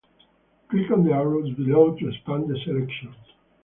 Click on the arrows below to expand the selections.